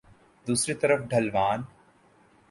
دوسری طرف ڈھلوان